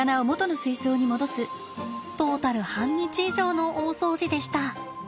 トータル半日以上の大掃除でした。